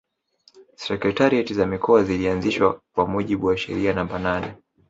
Sekretarieti za Mikoa zilianzishwa kwa mujibu wa sheria namba nane